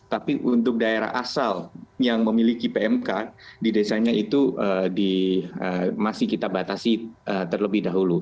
tapi untuk daerah asal yang memiliki pmk di desanya itu masih kita batasi terlebih dahulu